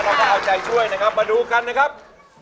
เราก็เอาใจช่วยมาดูกันนะครับ